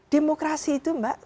demokrasi itu mbak